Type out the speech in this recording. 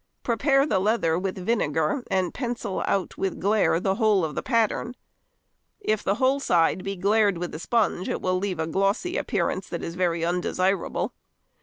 Prepare the leather with vinegar, and pencil out with glaire the whole of the pattern. If the whole side be glaired with a sponge it will leave a glossy appearance that is very undesirable.